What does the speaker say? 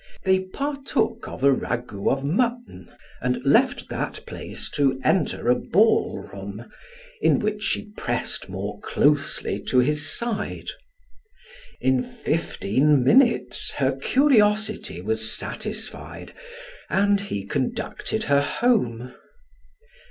They partook of a ragout of mutton and left that place to enter a ball room in which she pressed more closely to his side. In fifteen minutes her curiosity was satisfied and he conducted her home.